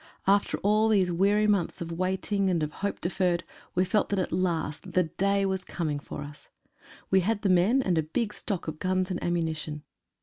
After all these weary months of waiting and of hope deferred, we felt that at last "the day" was coming for us. We had the men and a big stock of guns and ammunition.